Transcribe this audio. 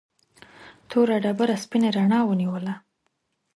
توره ډبره سپینې رڼا ونیوله.